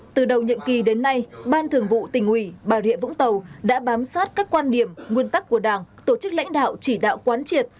từ đầu nhiệm kỳ đến nay ban thường vụ tỉnh ủy bà rịa vũng tàu đã bám sát các quan điểm nguyên tắc của đảng tổ chức lãnh đạo chỉ đạo quán triệt